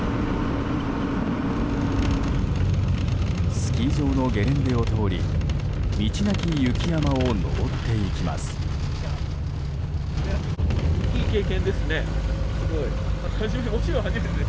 スキー場のゲレンデを通り道なき雪山を上っていきます。